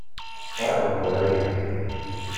Sɛiɣ lhedra yid-k.